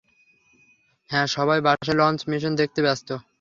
হ্যাঁ, সবাই ব্যাশের launch mission দেখতে ব্যস্ত।